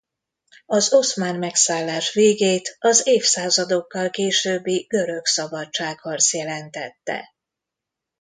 Az oszmán megszállás végét az évszázadokkal későbbi görög szabadságharc jelentette.